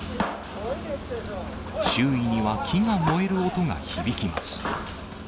周囲には木が燃える音が響きます。